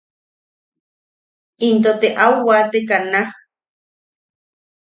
Into te au waateka naaj.